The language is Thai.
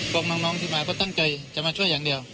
น้องที่มาก็ตั้งใจจะมาช่วยอย่างเดียว